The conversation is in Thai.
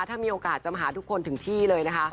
ถ้ามีโอกาสจะมาหาทุกคนถึงที่เลยนะคะ